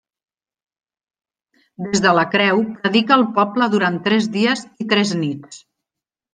Des de la creu predica al poble durant tres dies i tres nits.